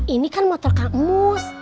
ini kan motor kak emus